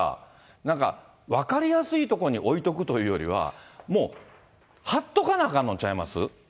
なんか、分かりやすい所に置いとくというよりは、もうはっとかなきゃあかんのちゃいます？